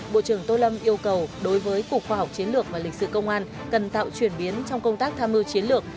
bộ trưởng tô lâm yêu cầu đối với cục khoa học chiến lược và lịch sử công an cần tạo chuyển biến trong công tác tham mưu chiến lược